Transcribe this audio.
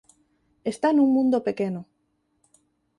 Está nun mundo pequeno